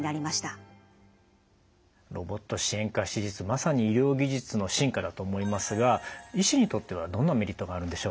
まさに医療技術の進化だと思いますが医師にとってはどんなメリットがあるんでしょう？